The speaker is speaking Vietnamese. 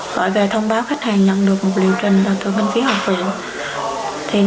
gọi về thông báo khách hàng nhận được một liệu trình và tựa kinh phí hợp viện